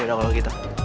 yaudah kalau gitu